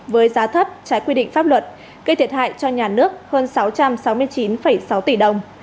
với giá thấp trái quy định pháp luật gây thiệt hại cho nhà nước hơn sáu trăm sáu mươi chín sáu tỷ đồng